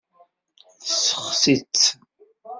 Tessexsi-tt.